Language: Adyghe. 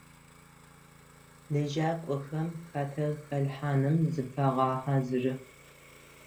Лэжьакӏохэм хэтэ хэлъхьаным зыфагъэхьазыры.